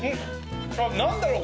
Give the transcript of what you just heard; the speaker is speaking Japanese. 何だろう